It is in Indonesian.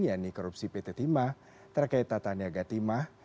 yang ini korupsi pt timah terkait tata niaga timah